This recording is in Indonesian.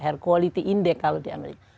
air quality index kalau di amerika